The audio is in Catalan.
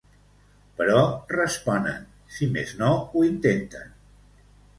Però responen, si més no ho intenten.